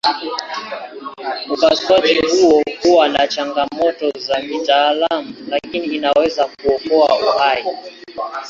Upasuaji huo huwa na changamoto za kitaalamu lakini inaweza kuokoa uhai.